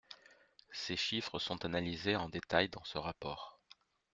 Ces chiffres sont analysés en détail dans ce rapport.